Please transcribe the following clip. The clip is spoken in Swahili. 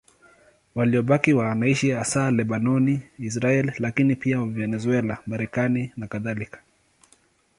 Waliobaki wanaishi hasa Lebanoni, Israeli, lakini pia Venezuela, Marekani nakadhalika.